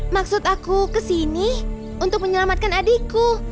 maksud aku kesini untuk menyelamatkan adikku